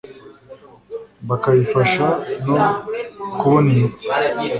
bakayifasha no kubona imiti